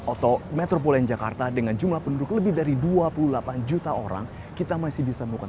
atau metropoleon jakarta dengan jumlah penduduk lebih dari dua puluh delapan juta orang kita masih bisa melakukan